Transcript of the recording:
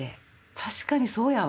確かにそうやわって。